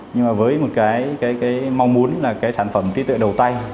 nhưng mà với một cái mong muốn là cái sản phẩm trí tuệ đầu tay